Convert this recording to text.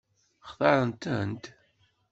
Xtaṛen-tent?